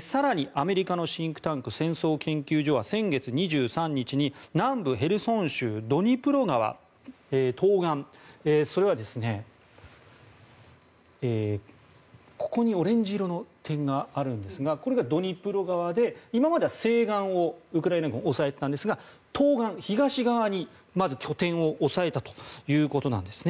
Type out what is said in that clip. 更に、アメリカのシンクタンク戦争研究所は先月２３日に南部ヘルソン州ドニプロ川東岸それはここにオレンジ色の点があるんですがこれがドニプロ川で今までは西岸をウクライナ軍は押さえてたんですが東岸、東側にまず拠点を押さえたということです。